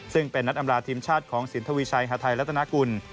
ซึ่งเป็นนัดอำลาทีมชาติของสินทวีชัยฮาไทยรัฐนากุล